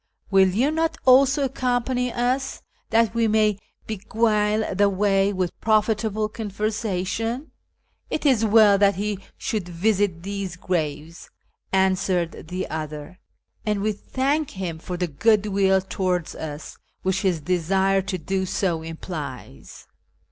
Will you not also accompany us, that we may beguile the way with profitable conversation ?"" It is well that he should visit these graves," answered the other, " and w^e thank liim for the good will towards us which his desire to do so implies.